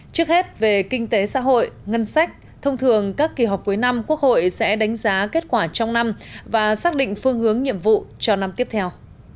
trước hết về kinh tế xã hội ngân sách thông thường các kỳ họp cuối năm quốc hội sẽ đánh giá kết quả trong năm và xác định phương hướng nhiệm vụ cho năm tiếp theo